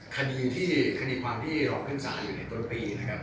แต่ว่าอย่างที่ว่าครับมันก็เป็นคณีความที่รอบขึ้นสารอยู่ในตัวปีนะครับ